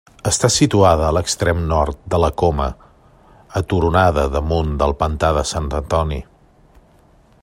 Està situada a l'extrem nord de la Coma, aturonada damunt del pantà de Sant Antoni.